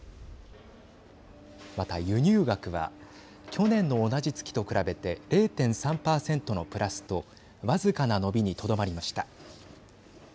また、輸入額は去年の同じ月と比べて０．３％のプラスと僅かな伸びにとどまりました。